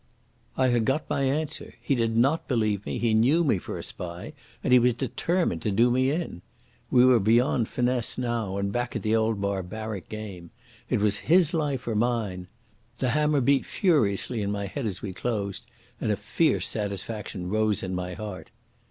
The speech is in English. I had got my answer. He did not believe me, he knew me for a spy, and he was determined to do me in. We were beyond finesse now, and back at the old barbaric game. It was his life or mine. The hammer beat furiously in my head as we closed, and a fierce satisfaction rose in my heart.